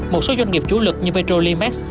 một số doanh nghiệp chủ lực như petrolimax